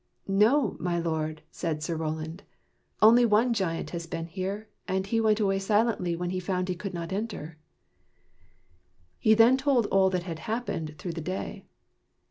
"" No, my Lord," said Sir Roland. " Only one giant has been here, and he went away silently when he found he could not enter." Then he told all that had happened through the day.